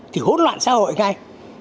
thì hốt loạn xã hội ngay